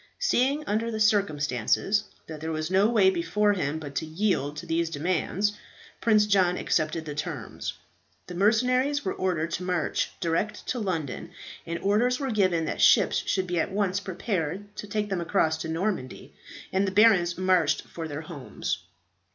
Seeing, under the circumstances, that there was no way before him but to yield to these demands, Prince John accepted the terms. The mercenaries were ordered to march direct to London, and orders were given that ships should be at once prepared to take them across to Normandy, and the barons marched for their homes.